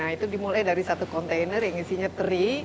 itu dimulai dari satu container yang isinya teri